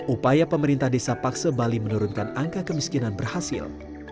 upaya pemerintah desa paksebali menurunkan angka kemiskinan berhasil